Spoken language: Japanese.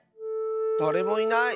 だれもいない。